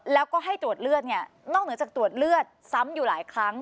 แล้วก็ให้ตรวจเลือดเนี่ยนอกเหนือจากตรวจเลือดซ้ำอยู่หลายครั้ง